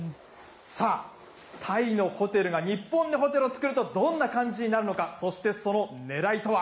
さあ、タイのホテルが日本でホテルを作るとどんな感じになるのか、そしてそのねらいとは。